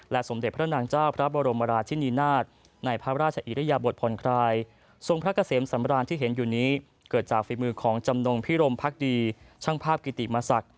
และเกษมสำราญที่เห็นอยู่นี้เกิดจากฝีมือของจำนงพิรมภักดีช่างภาพกิติมสัก